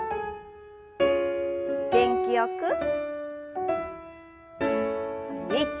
元気よく。